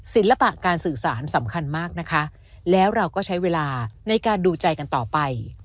ศิลปะการสื่อสารสำคัญมากนะคะแล้วเราก็ใช้เวลาในการดูใจกันต่อไป